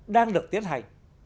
đang được tiến hành